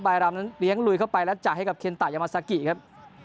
รำนั้นเลี้ยงลุยเข้าไปแล้วจ่ายให้กับเคนตะยามาซากิครับ